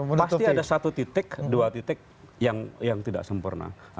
pasti ada satu titik dua titik yang tidak sempurna